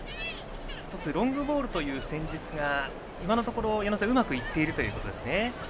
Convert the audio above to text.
１つ、ロングボールという戦術が今のところ矢野さん、うまくいっているということですね。